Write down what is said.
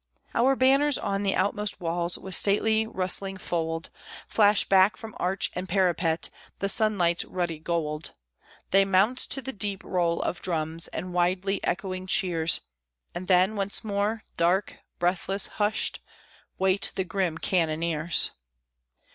Our banners on the outmost walls, with stately rustling fold, Flash back from arch and parapet the sunlight's ruddy gold, They mount to the deep roll of drums, and widely echoing cheers, And then, once more, dark, breathless, hushed, wait the grim cannoneers.